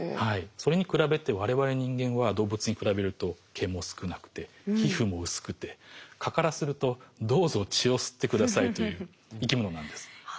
それに比べて我々人間は動物に比べると毛も少なくて皮膚も薄くて蚊からするとどうぞ血を吸って下さいという生き物なんです。